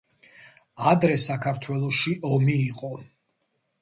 ადრე საქართველოში ომი იყო